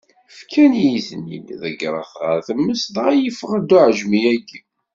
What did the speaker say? Fkan-iyi-t-id, ḍeggreɣ-t ɣer tmes, dɣa yeffeɣ-d uɛejmi-agi.